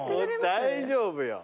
大丈夫よ。